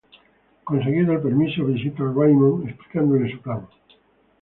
Conseguido el permiso, visita a Raymond explicándole su plan.